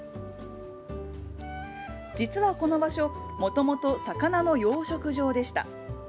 実はこの場所、もともと魚の養殖場でした。